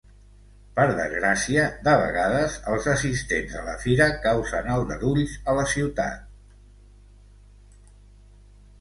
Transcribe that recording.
Per desgràcia, de vegades els assistents a la fira causen aldarulls a la ciutat.